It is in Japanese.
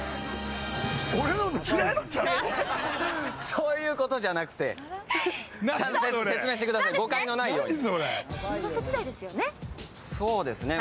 そういうことじゃなくて、ちゃんと説明してください、誤解のないように。